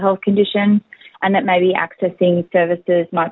dan mungkin perangkat perangkat mungkin sulit